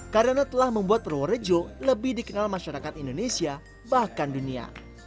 karena telah membuat purworejo lebih dikenal masyarakat indonesia bahkan dunia